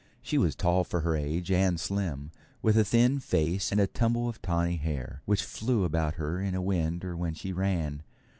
She was tall for her age, and slim, with a thin face and a tumble of tawny hair, which flew about her in a wind or when she ran.